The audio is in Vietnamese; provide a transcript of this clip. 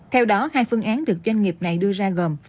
theo đó hai phương án được doanh nghiệp này đưa ra gồm